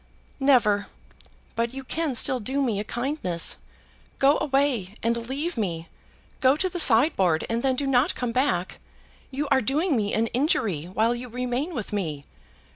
"Never. But you can still do me a kindness. Go away, and leave me. Go to the sideboard, and then do not come back. You are doing me an injury while you remain with me."